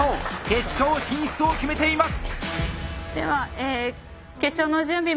決勝進出を決めています！